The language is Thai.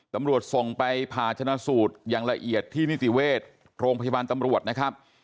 ตำรวจส่งไปผ่าชนะสูตรอย่างละเอียดที่นิติเวชโรงพยาบาลตำรวจนะครับ